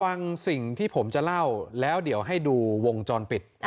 ฟังสิ่งที่ผมจะเล่าแล้วเดี๋ยวให้ดูวงจรปิด